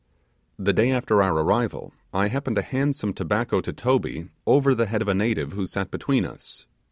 The day after our arrival I happened to hand some tobacco to Toby over the head of a native who sat between us.